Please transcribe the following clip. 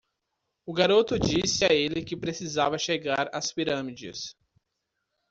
O garoto disse a ele que precisava chegar às pirâmides.